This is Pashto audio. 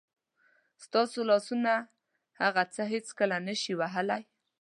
ستاسو لاسونه هغه څه هېڅکله نه شي وهلی.